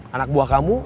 anak buah kamu